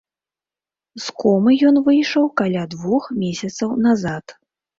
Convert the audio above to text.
З комы ён выйшаў каля двух месяцаў назад.